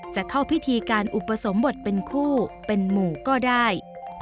จะเข้าพิธีการอุปสมบทเป็นคู่เป็นหมู่ก็ได้